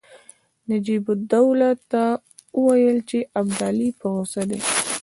نجیب الدوله ته وویل چې ابدالي په غوسه دی.